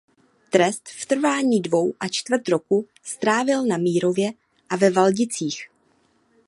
Trest v trvání dvou a čtvrt roku strávil na Mírově a ve Valdicích.